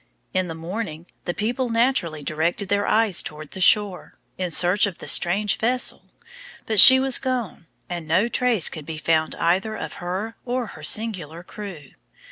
In the morning, the people naturally directed their eyes toward the shore, in search of the strange vessel but she was gone, and no trace could be found either of her or her singular crew.